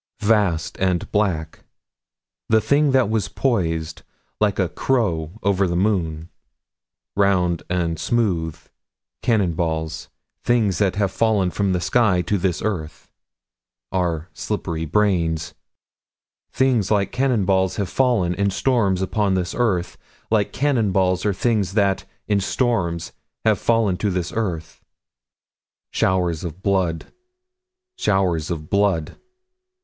27 Vast and black. The thing that was poised, like a crow over the moon. Round and smooth. Cannon balls. Things that have fallen from the sky to this earth. Our slippery brains. Things like cannon balls have fallen, in storms, upon this earth. Like cannon balls are things that, in storms, have fallen to this earth. Showers of blood. Showers of blood.